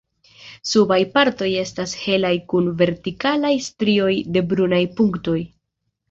Subaj partoj estas helaj kun vertikalaj strioj de brunaj punktoj.